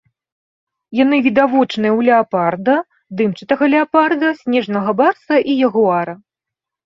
Яны відавочныя ў леапарда, дымчатага леапарда, снежнага барса і ягуара.